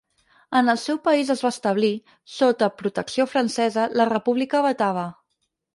En el seu país es va establir, sota protecció francesa, la República Batava.